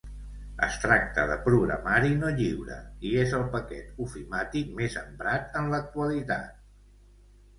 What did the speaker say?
Es tracta de programari no lliure, i és el paquet ofimàtic més emprat en l'actualitat.